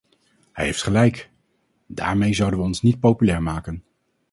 Hij heeft gelijk: daarmee zouden wij ons niet populair maken.